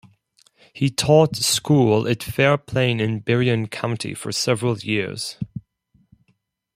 He taught school at Fair Plain in Berrien County for several years.